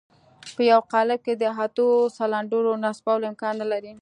په يوه قالب کې د اتو سلنډرو نصبول امکان نه لري.